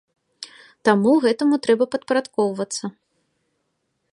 Таму гэтаму трэба падпарадкоўвацца.